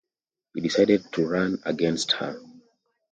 He decided to run against her.